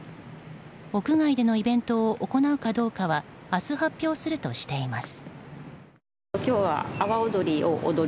屋外でのイベントを行うかどうかは明日、発表するとしています。